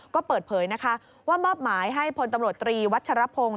ก็เปิดเผยนะคะว่ามอบหมายให้พลตำรวจตรีวัชรพงศ์